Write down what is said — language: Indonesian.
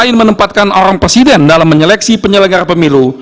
ingin menempatkan orang presiden dalam menyeleksi penyelenggara pemilu